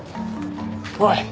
おい！